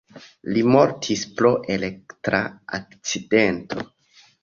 Li mortis pro elektra akcidento.